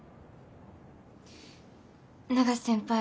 永瀬先輩